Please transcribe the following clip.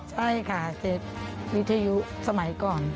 ใช่ค่ะเซฟวิทยุสมัยก่อน